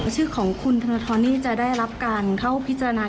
ชื่อของคุณธนทรนี่จะได้รับการเข้าพิจารณา